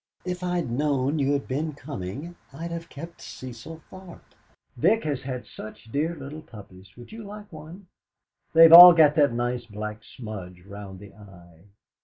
"If I'd known you'd been coming, I'd have kept Cecil Tharp. Vic has had such dear little puppies. Would you like one? They've all got that nice black smudge round the eye."